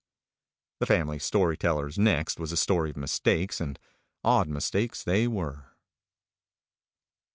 The Family Story Teller's next was a story of mistakes, and odd mistakes they were.